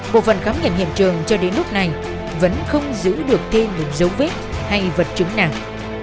bộ phận khám nghiệm hiện trường cho đến lúc này vẫn không giữ được thêm những dấu vết hay vật chứng nào